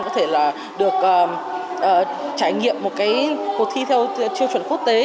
có thể được trải nghiệm một cuộc thi theo chiêu chuẩn quốc tế